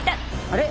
あれ？